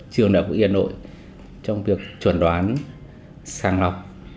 trường đại học y hà nội trong việc chuẩn đoán sàng lọc